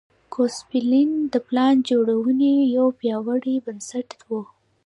ګوسپلن د پلان جوړونې یو پیاوړی بنسټ و